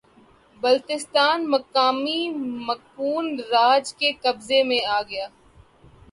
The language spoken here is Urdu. بلتستان مقامی مقپون راج کے قبضے میں آگیا